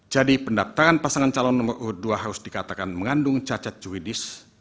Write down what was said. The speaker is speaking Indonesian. jadi pendaftaran pasangan calon nomor kedua harus dikatakan mengandung cacat juridis